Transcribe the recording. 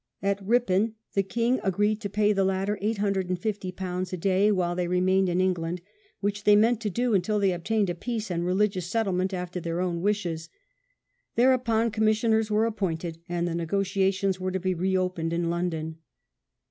At Ripon the king agreed to pay the latter ;^85o a day while they remained in England, which they meant to do until they obtained a peace and religious settlement after their own wishes. Thereon commissioners were appointed and the negotiations were to be re opened in London.